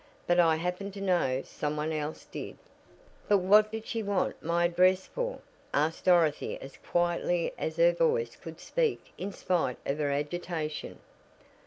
But I happen to know some one else did." "But what did she want my address for?" asked Dorothy as quietly as her voice could speak in spite of her agitation.